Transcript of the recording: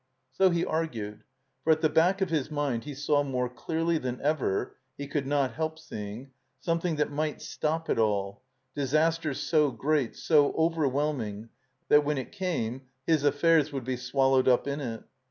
So he argued; for at the back of his mind he saw more clearly than ever (he could not help seeing) something that might stop it all, disaster so great, so overwhelming that when it came his affairs woxild be swallowed up in it.